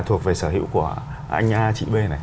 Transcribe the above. thuộc về sở hữu của anh a chị b này